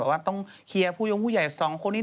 ว่าต้องเคลียร์ผู้ยงผู้ใหญ่สองคนนี้